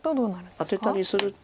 アテたりすると。